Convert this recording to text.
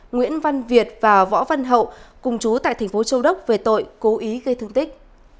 nguyễn văn việt và võ văn hậu cùng chú tại thành phố châu đốc về tội cố ý gây thương tích